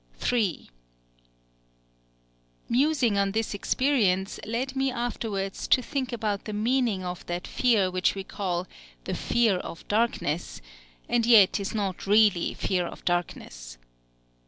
III Musing on this experience led me afterwards to think about the meaning of that fear which we call "the fear of darkness," and yet is not really fear of darkness.